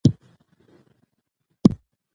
آیا د دښمن لښکر به بیا د مقابلې جرات وکړي؟